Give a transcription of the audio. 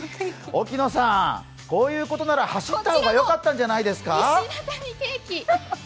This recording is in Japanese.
沖野さん、こういうことなら走った方がよかったんじゃないですか？